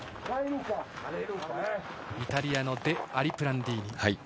イタリアのデアリプランディーニ。